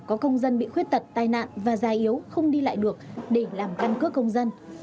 có công dân bị khuyết tật tai nạn và già yếu không đi lại được để làm căn cước công dân